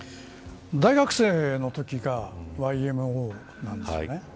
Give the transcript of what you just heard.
大学生のときがＹＭＯなんですよね。